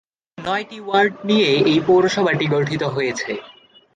মোট নয়টি ওয়ার্ড নিয়ে এই পৌরসভাটি গঠিত হয়েছে।